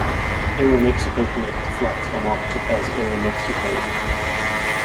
Aeromexico Connect flights are marketed as Aeromexico.